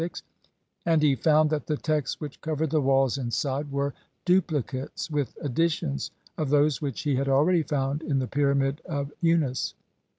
C. 3i66, and he found that the texts which covered the walls inside were duplicates, with additions, of those which he had already found in the pyramid of Unas.